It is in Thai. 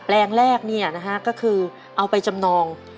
แรงแรกก็คือเอาไปจำนอง